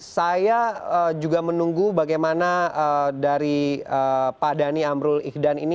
saya juga menunggu bagaimana dari pak dhani amrul ikhdan ini